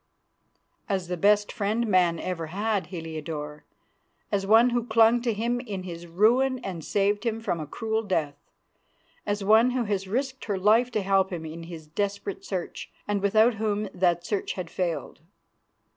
"As the best friend man ever had, Heliodore; as one who clung to him in his ruin and saved him from a cruel death; as one who has risked her life to help him in his desperate search, and without whom that search had failed."